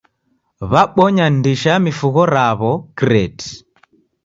W'abonya ndisha ya mifugho raw'o kireti.